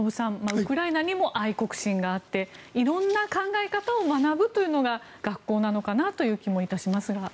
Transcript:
ウクライナにも愛国心があって色んな考え方を学ぶというのが学校なのかなという気もいたしますが。